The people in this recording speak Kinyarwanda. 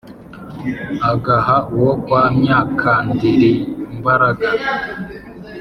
agaha uwó kwa myák akandir imbágara